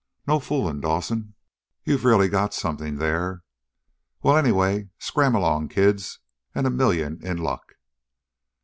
No fooling, Dawson, you've really got something there. Well, anyway, scram along, kids, and a million in luck!"